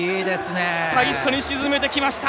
最初に沈めてきました！